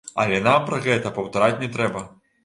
Але нам пра гэта паўтараць не трэба.